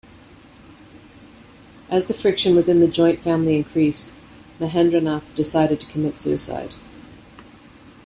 As the friction within the joint family increased, Mahendranath decided to commit suicide.